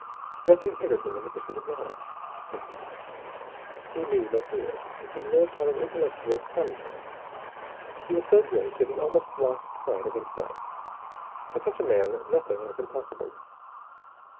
Nothing hindered him in the pursuit of knowledge, they said. He knew no fear, and he lived on an intellectual promontory. He was so great that he almost lost sight of himself. To such a man, nothing was impossible.